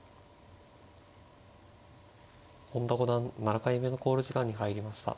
本田五段７回目の考慮時間に入りました。